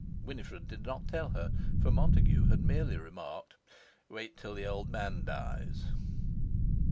Winifred did not tell her, for Montague had merely remarked: "Wait till the old man dies."